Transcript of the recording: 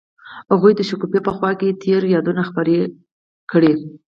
هغوی د شګوفه په خوا کې تیرو یادونو خبرې کړې.